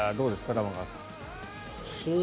玉川さん。